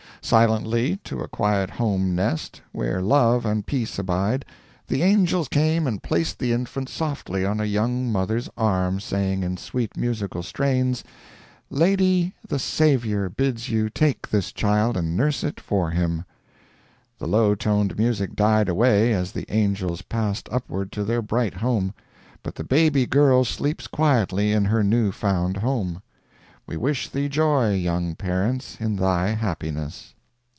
Silently, to a quiet home nest, where love and peace abide, the angels came and placed the infant softly on a young mother's arm, saying in sweet musical strains, "Lady, the Saviour bids you take this child and nurse it for him." The low toned music died away as the angels passed upward to their bright home; but the baby girl sleeps quietly in her new found home. We wish thee joy, young parents, in thy happiness.